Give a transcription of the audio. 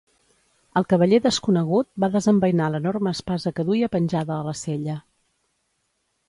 El cavaller desconegut va desembeinar l'enorme espasa que duia penjada a la sella.